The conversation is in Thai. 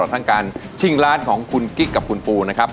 ทั้งการชิงร้านของคุณกิ๊กกับคุณปูนะครับ